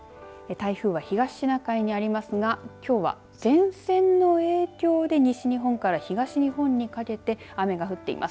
台風は東シナ海にありますがきょうは前線の影響で西日本から東日本にかけて雨が降っています。